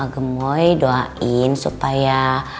gemoy doain supaya